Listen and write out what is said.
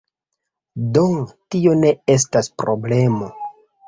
Do, tio ne estas problemo